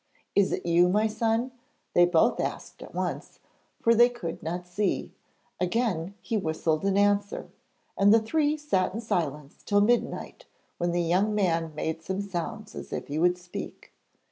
'Is it you, my son?' they both asked at once, for they could not see. Again he whistled in answer, and the three sat in silence till midnight when the young man made some sounds as if he would speak.